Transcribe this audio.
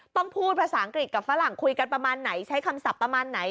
พูดภาษาอังกฤษกับฝรั่งคุยกันประมาณไหนใช้คำศัพท์ประมาณไหน